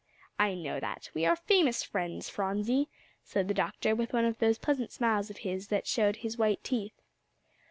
"I know that; we are famous friends, Phronsie," said the doctor, with one of those pleasant smiles of his that showed his white teeth.